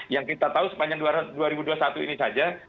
yang kita tahu sepanjang dua ribu dua puluh satu ini saja